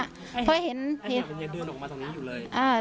ตำมันยืนเดินออกมาตรงนี้อยู่เลย